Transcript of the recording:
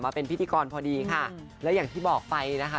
เป็นพิธีกรพอดีค่ะแล้วอย่างที่บอกไปนะคะ